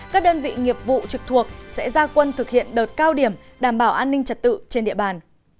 các đơn vị nghiệp vụ trực thuộc sẽ ra quân thực hiện đợt cao điểm đảm bảo an ninh trật tự trên địa bàn